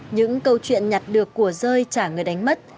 những câu chuyện nhặt được của rơi trả người đánh mất